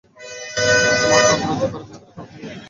তোমাকে অগ্রাহ্য করে ভিতরের কাউকে নিয়োগ দিলে একটা কথা ছিল।